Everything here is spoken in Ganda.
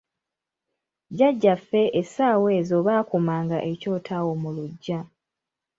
Jjajjaffe essaawa ezo baakumanga ekyoto awo mu luggya.